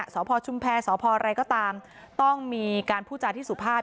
สพชุมแพรสพอะไรก็ตามต้องมีการพูดจาที่สุภาพ